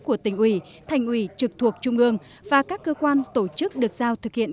của tỉnh ủy thành ủy trực thuộc trung ương và các cơ quan tổ chức được giao thực hiện